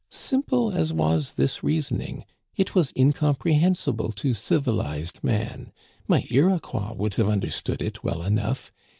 Simple as was this reasoning, it was incomprehensible to civilized man. My Iroquois would have understood it well enough.